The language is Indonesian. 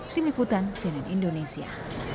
tim ikutan seline indonesia